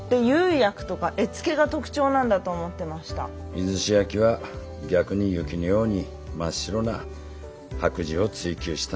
出石焼は逆に雪のように真っ白な白磁を追求したんよ。